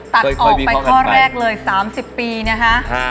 ตัดออกไปข้อแรกเลย๓๐ปีนะคะ